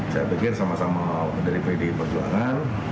saya pikir sama sama dari pdi perjuangan